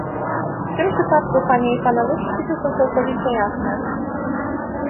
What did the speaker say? W tym przypadku, panie i panowie, przepisy są całkowicie jasne